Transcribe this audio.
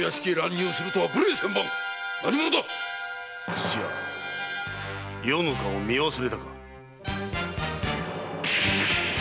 土屋余の顔を見忘れたか。